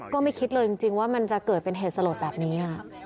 ก็ไม่คิดเลยจริงว่ามันจะเกิดเป็นเหตุสลดแบบนี้